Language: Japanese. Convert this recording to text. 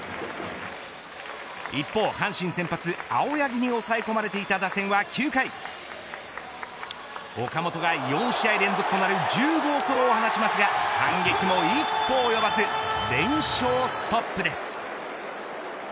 一方の阪神先発青柳に抑え込まれていた打線は９回岡本が４試合連続となる１０号ソロを放ちますが反撃も一歩及ばず連勝ストップです。